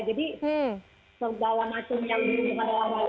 jadi sebuah macam yang dihubungkan oleh orang